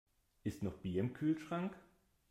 Ist noch Bier im Kühlschrank?